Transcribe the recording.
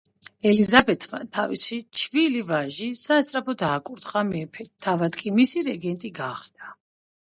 ელიზაბეთმა თავისი ჩვილი ვაჟი სასწრაფოდ აკურთხა მეფედ, თავად კი მისი რეგენტი გახდა.